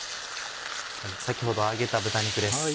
先ほど揚げた豚肉です。